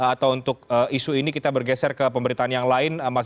atau untuk isu ini kita bergeser ke pemberitaan yang lain